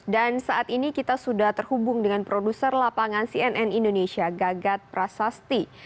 saat ini kita sudah terhubung dengan produser lapangan cnn indonesia gagat prasasti